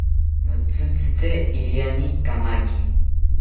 Notzitzite iriani kamaki